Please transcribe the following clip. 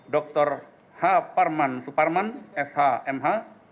dr h parman suparman shmh